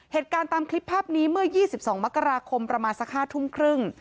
ตามคลิปภาพนี้เมื่อ๒๒มกราคมประมาณสัก๕ทุ่มครึ่ง